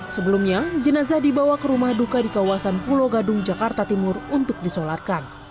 sebelumnya jenazah dibawa ke rumah duka di kawasan pulau gadung jakarta timur untuk disolarkan